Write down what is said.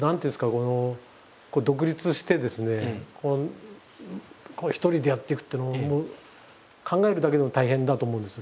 この独立してですね一人でやっていくっていうのも考えるだけでも大変だと思うんですよ。